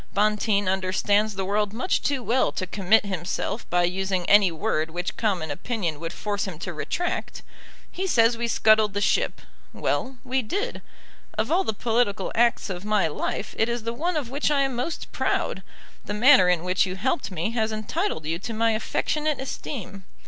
Bonteen understands the world much too well to commit himself by using any word which common opinion would force him to retract. He says we scuttled the ship. Well; we did. Of all the political acts of my life it is the one of which I am most proud. The manner in which you helped me has entitled you to my affectionate esteem.